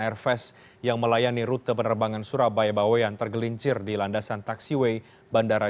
airfest yang melayani rute penerbangan surabaya bawean tergelincir di landasan taksiway bandara